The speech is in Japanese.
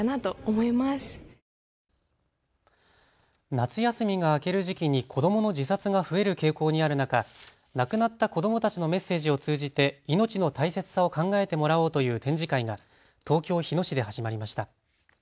夏休みが明ける時期に子どもの自殺が増える傾向にある中、亡くなった子どもたちのメッセージを通じて命の大切さを考えてもらおうという展示会が東京日野市で始まりました。